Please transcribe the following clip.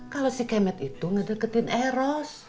kalau si kemet itu ngedeketin eros